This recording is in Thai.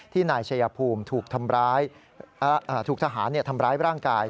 ที่นายเชยภูมิถูกธาหารทำร้ายร่างกาย